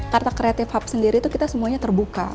karta kreatif hub sendiri itu kita semuanya terbuka